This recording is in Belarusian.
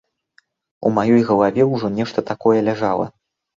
У маёй галаве ўжо нешта такое ляжала.